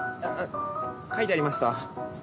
書いてありました。